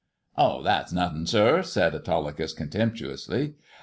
Oh, that's nothin', sir," said Autolycus contemptuously.